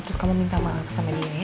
terus kamu minta maaf sama dia